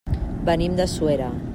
Venim de Suera.